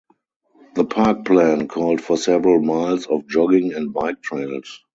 The park plan called for several miles of jogging and bike trails.